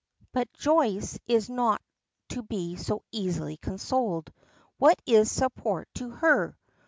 But Joyce is not to be so easily consoled. What is support to her?